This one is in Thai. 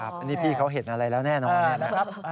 อันนี้พี่เขาเห็นอะไรแล้วแน่นอน